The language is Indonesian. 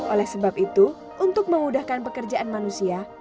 oleh sebab itu untuk memudahkan pekerjaan manusia